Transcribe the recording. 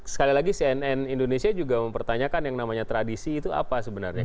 sekali lagi cnn indonesia juga mempertanyakan yang namanya tradisi itu apa sebenarnya